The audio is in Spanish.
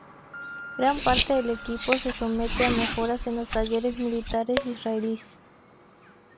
Gran parte del equipo se somete a mejoras en los talleres militares israelíes.